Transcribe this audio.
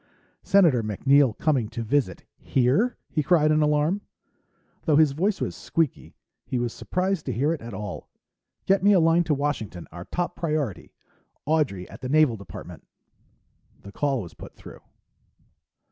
"Senator MacNeill coming to visit here?" he cried in alarm. Though his voice was squeaky, he was surprised to hear it at all. "Get me a line to Washington, our top priority, Audrey at the Naval Department." The call was put through.